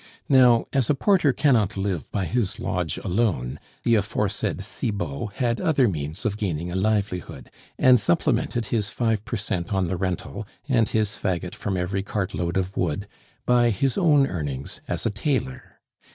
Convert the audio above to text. Now, as a porter cannot live by his lodge alone, the aforesaid Cibot had other means of gaining a livelihood; and supplemented his five per cent on the rental and his faggot from every cartload of wood by his own earnings as a tailor.